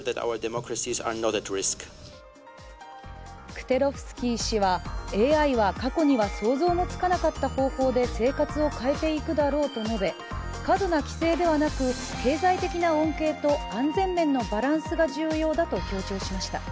クテロフスキー氏は、ＡＩは過去には想像もつかなかった方法で生活を変えていくだろうと述べ過度な規制ではなく経済的な恩恵と安全面のバランスが重要だと強調しました。